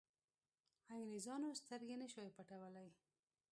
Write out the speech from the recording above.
انګرېزانو سترګې نه شوای پټولای.